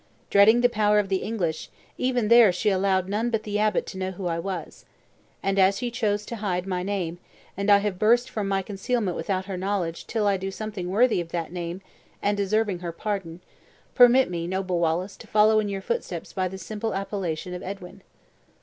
Dreading the power of the English, even there she allowed none but the abbot to know who I was. And as he chose to hide my name and I have burst from my concealment without her knowledge till I do something worthy of that name, and deserving her pardon, permit me, noble Wallace, to follow your footsteps by the simple appellation of Edwin."